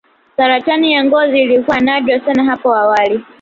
Saratani ya ngozi iliyokuwa nadra sana hapo awali